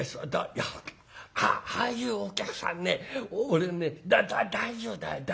「いやああいうお客さんね俺ねだ大丈夫だ。